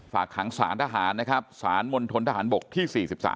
ฝากขังสารทหารนะครับสารมณฑนทหารบกที่๔๓